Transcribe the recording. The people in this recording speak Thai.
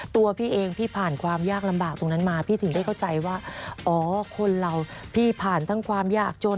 ตัวพี่เองพี่ผ่านความยากลำบากตรงนั้นมาพี่ถึงได้เข้าใจว่าอ๋อคนเราพี่ผ่านทั้งความยากจน